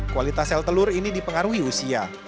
kualitas sel telur ini dipengaruhi usia